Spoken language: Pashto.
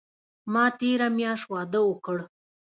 ما تیره میاشت واده اوکړ